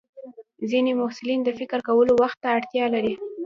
ځینې محصلین د فکر کولو وخت ته اړتیا لري.